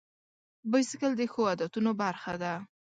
بایسکل د ښو عادتونو برخه ده.